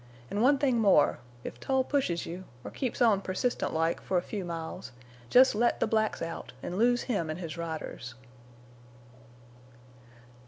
An' one thing more. If Tull pushes you—or keeps on persistent like, for a few miles—jest let the blacks out an' lose him an' his riders."